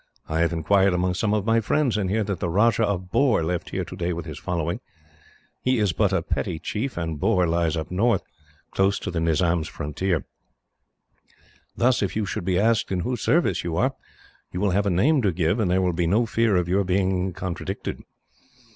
I have inquired among some of my friends, and hear that the Rajah of Bohr left here today with his following. He is but a petty chief, and Bohr lies up north, close to the Nizam's frontier. Thus, if you should be asked in whose service you are, you will have a name to give, and there will be no fear of your being contradicted.